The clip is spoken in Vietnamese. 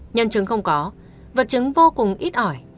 nhân chứng không có vật chứng vô cùng ít ỏi